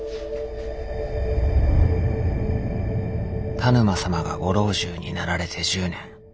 田沼様がご老中になられて１０年。